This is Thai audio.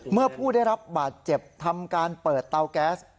ผู้ได้รับบาดเจ็บทำการเปิดเตาแก๊ส